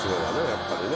やっぱりね。